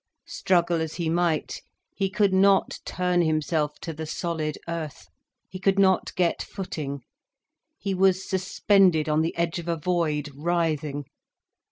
Struggle as he might, he could not turn himself to the solid earth, he could not get footing. He was suspended on the edge of a void, writhing.